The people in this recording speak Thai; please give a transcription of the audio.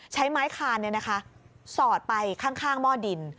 ใช้ไม้คาลนี่นะคะสอดไปข้างม่อดิน